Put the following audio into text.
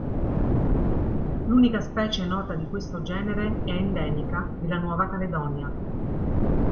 L'unica specie nota di questo genere è endemica della Nuova Caledonia.